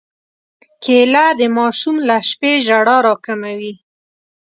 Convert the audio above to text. کېله د ماشوم له شپې ژړا راکموي.